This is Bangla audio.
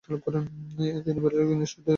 তিনি ব্যালেরিক ইনস্টিটিউটে স্নাতক পাস করেন।